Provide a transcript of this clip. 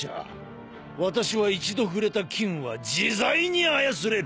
私は一度触れた金は自在に操れる。